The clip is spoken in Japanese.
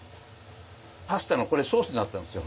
パスタのこれソースになったんですよ。